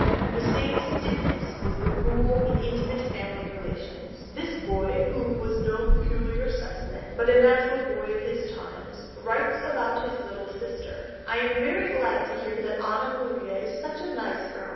The same stiffness was the rule in intimate family relations. This boy, who was no peculiar specimen, but a natural boy of his times, writes about his little sister: "I am very glad to hear that Anna Maria is such a nice girl.